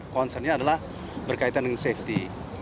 concernnya adalah berkaitan dengan safety